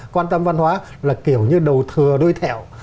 quan tâm văn hóa là kiểu như đầu thừa đuôi thẹo